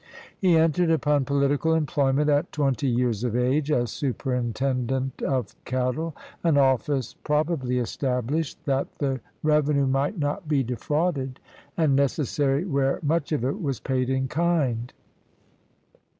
He entered upon pohtical employment at twenty years of age, as "superintendent of cattle," an office probably estabhshed that the revenue might not be 14 THE STORY OF CONFUCIUS defrauded, and necessary where much of it was paid in kind.